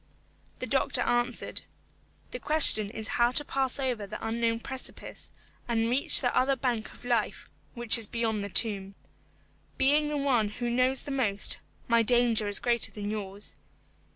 The doctor answered, "The question is how to pass over the unknown precipice and reach the other bank of life, which is beyond the tomb. Being the one who knows the most, my danger is greater than yours.